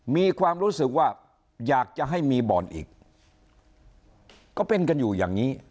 มีความรู้สึกว่าอยากจะให้มีบ่อนอีกก็เป็นกันอยู่อย่างนี้